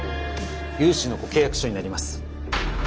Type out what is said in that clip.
融資のご契約書になります。